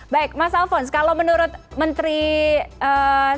baik mas alfons kalau menurut menteri kominfo